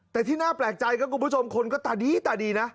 แต่ที่น่าแปลกใจครับคุณผู้ชมคนก็ตาดีตาดีนะ